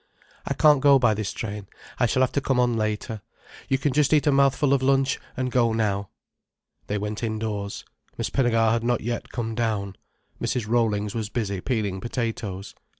"I can't go by this train. I shall have to come on later. You can just eat a mouthful of lunch, and go now." They went indoors. Miss Pinnegar had not yet come down. Mrs. Rollings was busily peeling potatoes. "Mr.